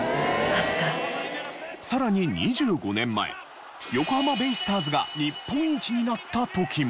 さらに２５年前横浜ベイスターズが日本一になった時も。